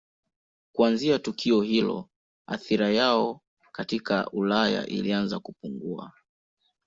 Kuanzia tukio hilo athira yao katika Ulaya ilianza kupungua.